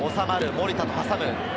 守田と挟む。